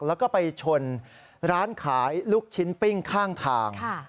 แล้วก็ไปชนร้านขายลูกชิ้นปิ้งข้างทาง